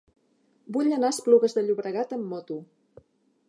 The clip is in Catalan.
Vull anar a Esplugues de Llobregat amb moto.